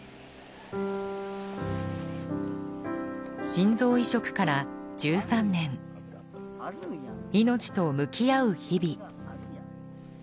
心臓移植から１３年命と向き合う日々。